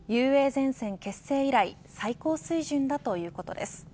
ゼンセン結成以来最高水準だということです。